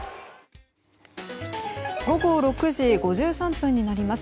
午後６時５３分になります。